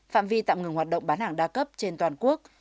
phạm vi tạm ngừng hoạt động bán hàng đa cấp trên toàn quốc